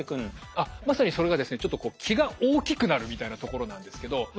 あっまさにそれがですねちょっと気が大きくなるみたいなところなんですけど。